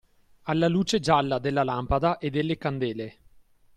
Alla luce gialla della lampada e delle candele